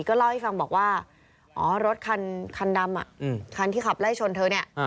ก็เล่าให้ฟังบอกว่าอ๋อรถคันดำคันที่ขับไล่ชนเธอเนี่ย